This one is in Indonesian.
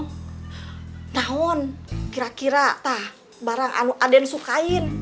mau mau kira kira tak barang aden suka